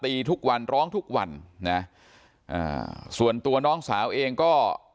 ทุกวันร้องทุกวันนะอ่าส่วนตัวน้องสาวเองก็